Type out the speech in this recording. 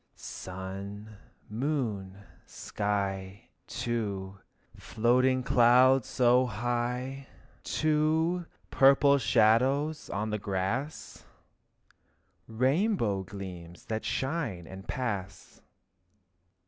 Sun and moon and sky, too, Floating clouds so high, too, Purple shadows on the grass, Rainbow gleams that shine and pass.